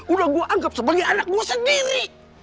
udah gue anggap sebagai anak gue sendiri